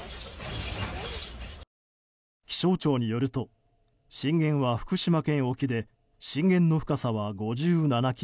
気象庁によると震源は福島県沖で震源の深さは５７ｋｍ。